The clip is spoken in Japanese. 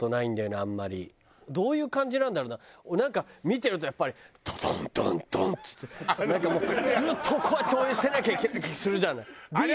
なんか見てるとやっぱり「ドドンドンドン」っつってなんかもうずっとこうやって応援してなきゃいけない気するじゃない。